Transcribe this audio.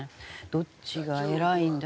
どっちが偉いんだ？